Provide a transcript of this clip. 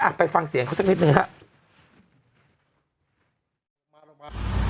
ไปฟังเสียงเขาสักนิดนึงครับ